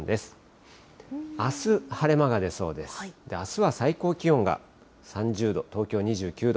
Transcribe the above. あすは最高気温が３０度、東京２９度。